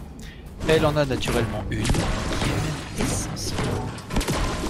Elle en a naturellement une, qui est même essentielle.